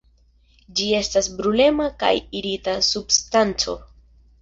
Ĝi estas brulema kaj irita substanco.